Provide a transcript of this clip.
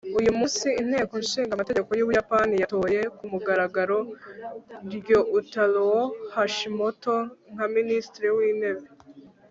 Uyu munsi Inteko ishinga amategeko yUbuyapani yatoye ku mugaragaro Ryoutarou Hashimoto nka minisitiri wintebe